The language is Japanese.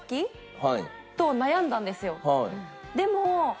でも。